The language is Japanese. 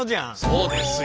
そうですよ。